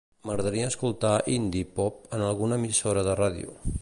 M'agradaria escoltar indie pop en alguna emissora de ràdio.